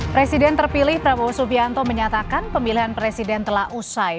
presiden terpilih prabowo subianto menyatakan pemilihan presiden telah usai